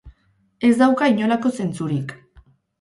Ez dauka inolako zentzurik.